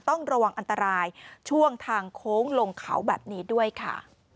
ต้องระวังอันตรายช่วงทางโค้งลงเขาแบบนี้ด้วยค่ะ